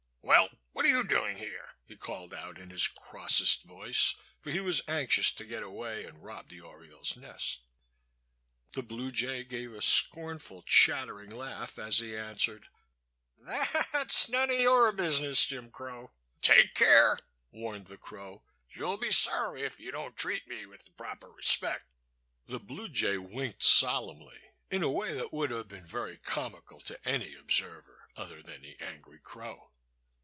"Well, what are you doing here?" he called out, in his crossest voice, for he was anxious to get away and rob the oriole's nest. The Blue Jay gave a scornful, chattering laugh as he answered: "That's none of your business, Jim Crow." "Take care!" warned the crow; "you'll be sorry if you don't treat me with proper respect." The Blue Jay winked solemnly, in a way that would have been very comical to any observer other than the angry crow.